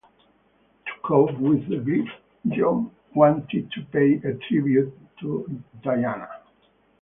To cope with the grief, John wanted to pay a tribute to Diana.